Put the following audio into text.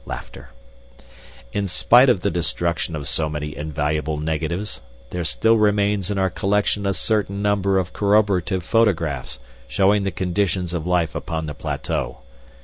'In spite of the destruction of so many invaluable negatives, there still remains in our collection a certain number of corroborative photographs showing the conditions of life upon the plateau.